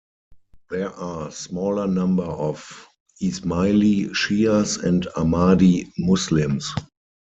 There are smaller number of Ismaili Shias and Ahmadi Muslims.